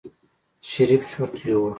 شريف چورت يوړ.